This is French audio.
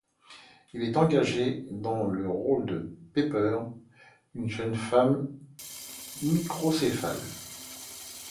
Elle est engagée pour le rôle de Pepper, une jeune femme microcéphale.